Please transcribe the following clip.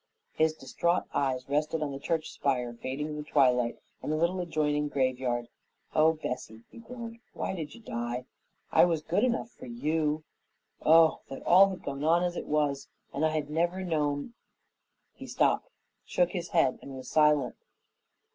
His distraught eyes rested on the church spire, fading in the twilight, and the little adjoining graveyard. "Oh, Bessie," he groaned, "why did you die? I was good enough for YOU. Oh! That all had gone on as it was and I had never known " He stopped, shook his head, and was silent.